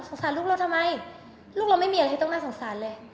สารลูกเราทำไมลูกเราไม่มีอะไรที่ต้องน่าสงสารเลย